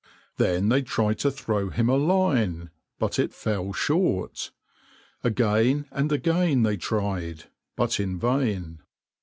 Then they tried to throw him a line, but it fell short. Again and again they tried, but in vain.